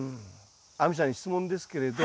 亜美さんに質問ですけれど。